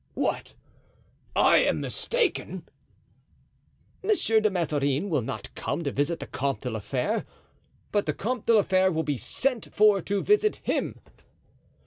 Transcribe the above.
"What? I am mistaken?" "Monsieur de Mazarin will not come to visit the Comte de la Fere, but the Comte de la Fere will be sent for to visit him."